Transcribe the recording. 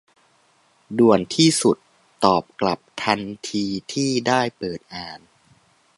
ด่วนที่สุด ตอบกลับทันทีที่ได้เปิดอ่าน